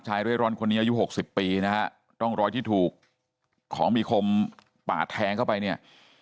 เร่ร่อนคนนี้อายุหกสิบปีนะฮะร่องรอยที่ถูกของมีคมปาดแทงเข้าไปเนี่ย